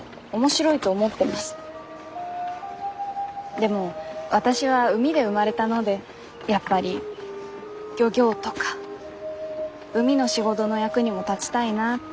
でも私は海で生まれたのでやっぱり漁業とか海の仕事の役にも立ちたいなって。